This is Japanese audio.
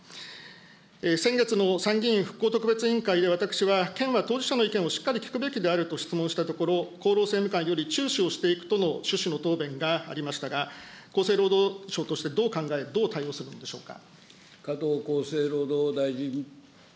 先月の参議院復興特別委員会で、私は県は当事者の意見をしっかり聞くべきであると質問したところ、厚労政務官に注視をしていくとの趣旨の答弁がありましたが、厚生労働省として、どう考え、どう対応するんでしょうか。